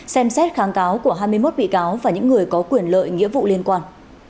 xem xét kháng cáo của hai mươi một bị cáo và những người có quyền lợi nghĩa vụ liên quan